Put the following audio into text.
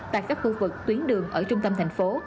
tại các khu vực tuyến đường ở trung tâm thành phố